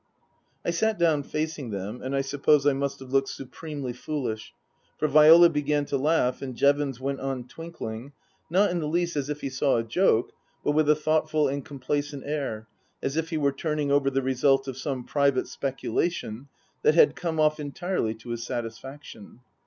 I sat down facing them, and I suppose I must have looked supremely foolish, for Viola began to laugh and Jevons went on twinkling, not in the least as if he saw a joke, but with a thoughtful and complacent air, as if he were turning over the result of some private speculation that had come off entirely to his satisfaction.